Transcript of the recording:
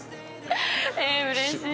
えっうれしい！